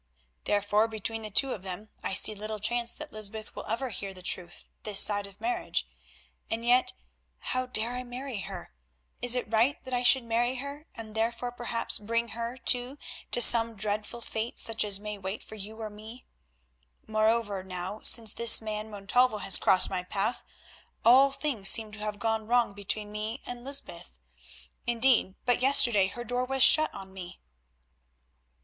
Therefore, between the two of them I see little chance that Lysbeth will ever hear the truth this side of marriage. And yet how dare I marry her? Is it right that I should marry her and therefore, perhaps, bring her too to some dreadful fate such as may wait for you or me? Moreover, now since this man Montalvo has crossed my path, all things seem to have gone wrong between me and Lysbeth; indeed but yesterday her door was shut on me."